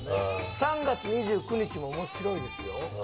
３月２９日もおもしろいですよ。